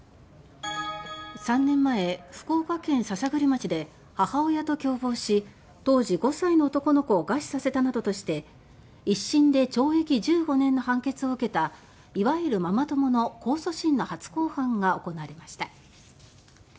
３年前、福岡県篠栗町で母親と共謀し当時５歳の男の子を餓死させたなどとして１審で懲役１５年の判決を受けたいわゆるママ友の控訴審の初公判が行われました。